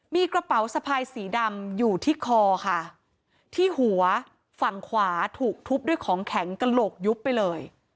มีกระเป๋าสะพายสีดำอยู่ที่คอค่ะที่หัวฝั่งขวาถูกทุบด้วยของแข็งกระโหลกยุบไปเลย